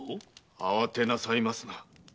あわてなさいますな。